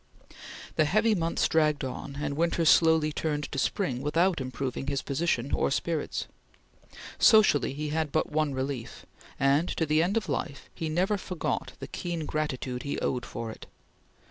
The heavy months dragged on and winter slowly turned to spring without improving his position or spirits. Socially he had but one relief; and, to the end of life, he never forgot the keen gratitude he owed for it.